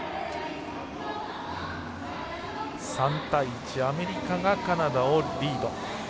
３対１アメリカがカナダをリード。